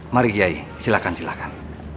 mari kiai silakan silakan